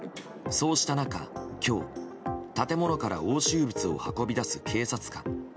そうした中、今日建物から押収物を運び出す警察官。